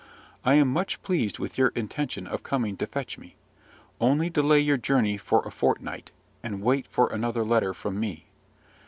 I am much pleased with your intention of coming to fetch me; only delay your journey for a fortnight, and wait for another letter from me.